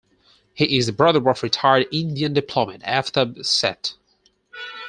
He is the brother of retired Indian diplomat Aftab Seth.